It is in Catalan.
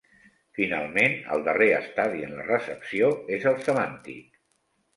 Finalment, el darrer estadi en la recepció és el semàntic.